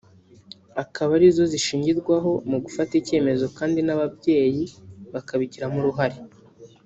akaba ari zo zishingirwaho mu gufata icyemezo kandi n’ababyeyi bakabigiramo uruhare